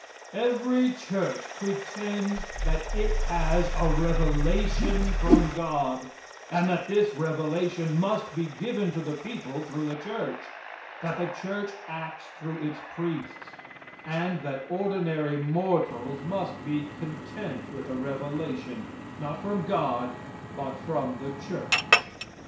Every church pretends that it has a revelation from God, and that this revelation must be given to the people through the church; that the church acts through its priests, and that ordinary mortals must be content with a revelation not from God but from the church.